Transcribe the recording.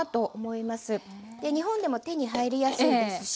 日本でも手に入りやすいですし。